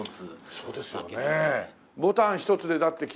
そうですね。